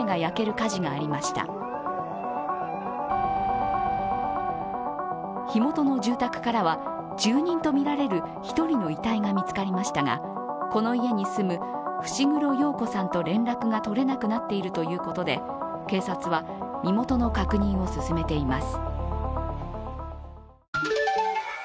火元の住宅からは、住人とみられる１人の遺体が見つかりましたがこの家に住む伏黒陽子さんと連絡が取れなくなっているということで、警察は身元の確認を進めています。